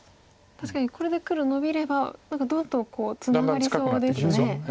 確かにこれで黒ノビればどんどんツナがりそうですよね。